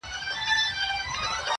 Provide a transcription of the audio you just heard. • ډاکټره خاص ده ګنې وه ازله ,